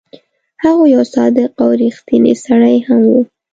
هغه یو صادق او ریښتونی سړی هم وو.